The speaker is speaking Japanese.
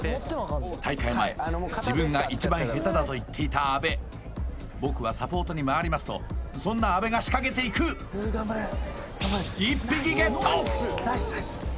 大会前自分が一番下手だと言っていた阿部「僕はサポートにまわります」とそんな阿部が仕掛けていく１匹ゲット！